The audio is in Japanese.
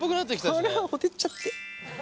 あらほてっちゃって。